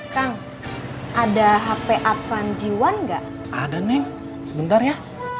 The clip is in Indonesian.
kang ada hp advan jiwa nggak ada nih sebentar ya